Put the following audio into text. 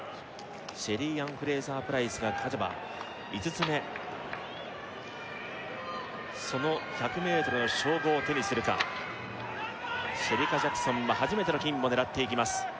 シェリーアン・フレイザープライスが勝てば５つ目その１００ｍの称号を手にするかシェリカ・ジャクソンは初めての金を狙っていきます